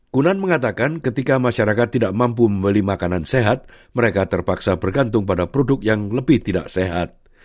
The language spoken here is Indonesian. kunan mengatakan ketika masyarakat tidak mampu membeli makanan sehat mereka terpaksa bergantung pada produk yang lebih tidak sehat